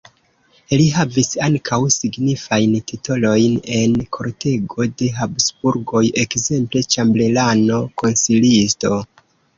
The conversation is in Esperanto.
Li havis ankaŭ signifajn titolojn en kortego de Habsburgoj, ekzemple ĉambelano, konsilisto.